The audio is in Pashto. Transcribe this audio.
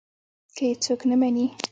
که يې څوک نه مني.